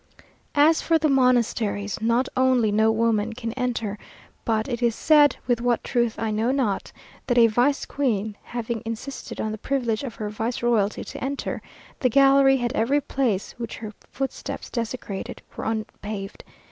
As for the monasteries, not only no woman can enter, but it is said, with what truth I know not, that a vice queen having insisted on the privilege of her vice royalty to enter, the gallery and every place which her footsteps desecrated were unpaved.